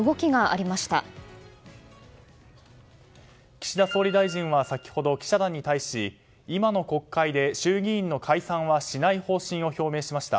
岸田総理大臣は先ほど記者団に対し今の国会で衆議院の解散はしない方針を表明しました。